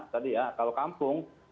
tadi ya kalau kampung